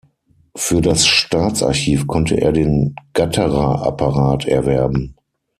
Für das Staatsarchiv konnte er den Gatterer-Apparat erwerben.